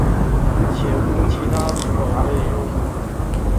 且无其他部首可用者将部首归为羽部。